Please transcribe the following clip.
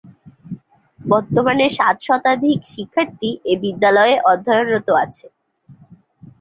বর্তমানে সাত শতাধিক শিক্ষার্থী এ বিদ্যালয়ে অধ্যয়নরত আছে।